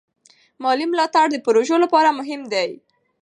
مالي ملاتړ د پروژو لپاره مهم دی.